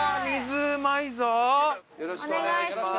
よろしくお願いします。